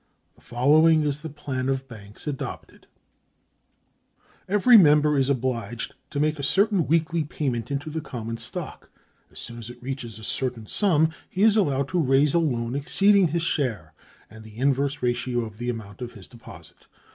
The following is the plan of banks adopted: "Every member is obliged to make a certain weekly payment into the common stock. As soon as it reaches a certain sum he is allowed to raise a loan exceeding his share in the inverse ratio of the amount of his deposit.